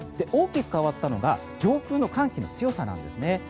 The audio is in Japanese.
大きく変わったのが上空の寒気の強さなんです。